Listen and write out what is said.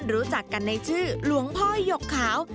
รู้จักกันในชื่อหลวงพ่อหยกขาว